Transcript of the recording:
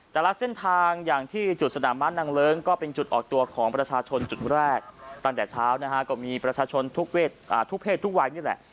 แต่ละเส้นทางอย่างที่จุดสนามม้านางเลิ้งก็เป็นจุดออกตัวของประชาชนจุดแรกตั้งแต่เช้านะฮะก็มีประชาชนทุกเพศทุกวัยนี่แหละ